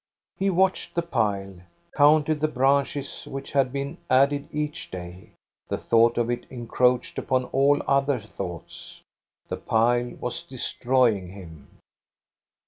He watched the pile, counted the branches which had been added each day. The thought of it encroached upon all other thoughts. The pile was destroying him.